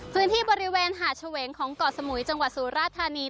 พื้นที่บริเวณหาดเฉวงของเกาะสมุยจังหวัดสุราธานี